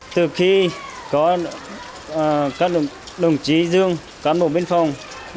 từ khi có các đồng chí dương cán bộ biên phòng